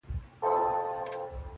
په سره سالو کي ګرځېدې مین دي کړمه-